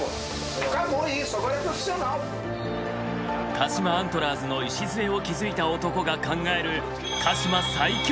鹿島アントラーズの礎を築いた男が考える鹿島最強の年とは！？